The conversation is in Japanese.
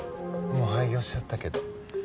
もう廃業しちゃったけど。